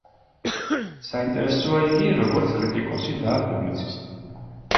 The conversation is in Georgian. საინტერესოა იგი, როგორც კრიტიკოსი და პუბლიცისტი.